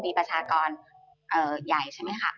มีประชากรใหญ่ใช่ไหมคะ